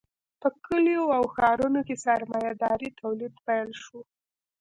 په کلیو او ښارونو کې سرمایه داري تولید پیل شو.